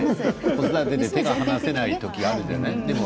子育てで手が離せない時あるじゃない。